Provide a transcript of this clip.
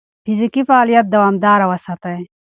فزیکي فعالیت دوامداره وساتئ.